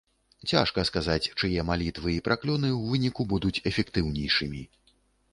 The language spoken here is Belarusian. Цяжка сказаць, чые малітвы і праклёны ў выніку будуць эфектыўнейшымі.